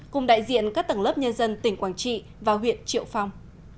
cùng đại diện các tầng lớp nhân dân tỉnh quảng trị và huyện triệu phong